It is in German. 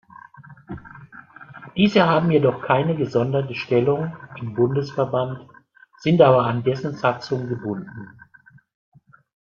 Diese haben jedoch keine gesonderte Stellung im Bundesverband, sind aber an dessen Satzung gebunden.